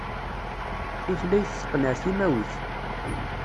Tutlayt teqqen ar timawit.